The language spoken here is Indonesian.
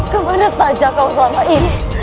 kemana saja kau selama ini